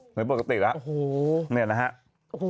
เหลือปกติแล้วเนี่ยนะฮะโอ้โห